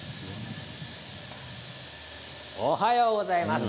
おはようございます。